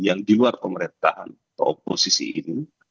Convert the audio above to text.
yang di luar pemerintahan atau oposisi ini